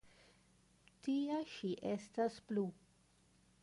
Tia ŝi estas plu.